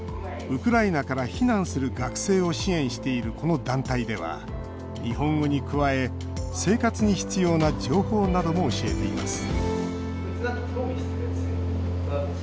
ウクライナから避難する学生を支援している、この団体では日本語に加え生活に必要な情報なども教えています